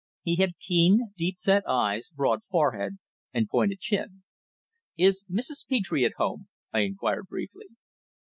He had keen, deep set eyes, broad forehead, and pointed chin. "Is Mrs. Petre at home?" I inquired briefly.